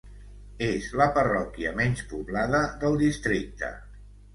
És la parròquia menys poblada del districte.